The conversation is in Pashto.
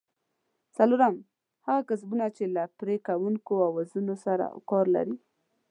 څلورم: هغه کسبونه چې له پرې کوونکو اوزارونو سره سرو کار لري؟